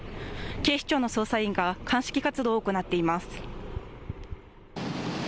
警視庁の捜査員が鑑識活動を行っています。